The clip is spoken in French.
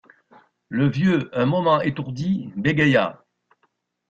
Le vieux, un moment étourdi, bégaya.